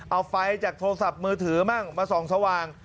เอาไฟจากโทรศัพท์มือถือบ้างมาส่องสว่าง